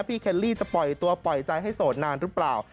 เคลลี่จะปล่อยตัวปล่อยใจให้โสดนานหรือเปล่า